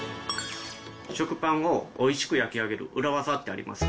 食パンをおいしく焼き上げる裏ワザってありますか？